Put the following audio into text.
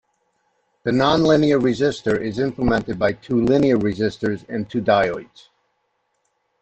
The nonlinear resistor is implemented by two linear resistors and two diodes.